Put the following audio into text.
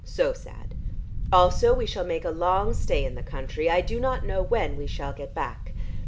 So sad. Also, we shall make a long stay in the country; I do not know when we shall get back.